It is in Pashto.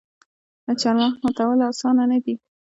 د چهارمغز ماتول اسانه نه دي.